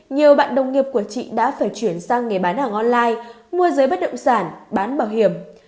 nhiều bạn đồng nghiệp của chị đã phải chuyển sang nghề bán hàng online môi giới bất động sản bán bảo hiểm